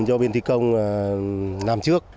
cho bên thi công làm trước